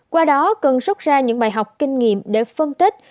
qua đó cần rút ra những bài học kinh nghiệm để phân tích